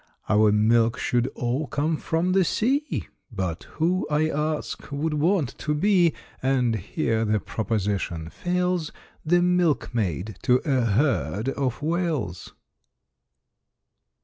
Our milk should all come from the sea, But who, I ask, would want to be, And here the proposition fails, The milkmaid to a herd of Whales?